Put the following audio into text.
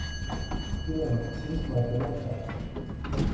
მდინარე ქციის მარჯვენა მხარეს.